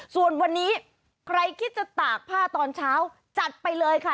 ส่วนวันนี้ใครคิดจะตากผ้าตอนเช้าจัดไปเลยค่ะ